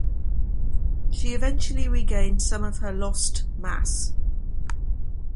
She eventually regains some of her lost mass.